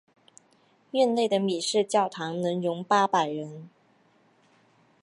院内的米市教堂能容八百人。